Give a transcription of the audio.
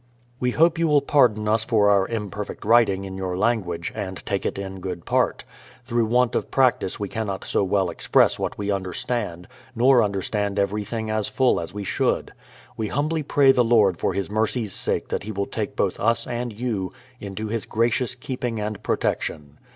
We hope you will pardon us for our imperfect writing in your language, and take it in good part; through want of practice we cannot so well express what we understand, nor understand every thing as full we should. We humbly pray the Lord for His mercy's sake that He will take both us and you into His gracious keeping and protection.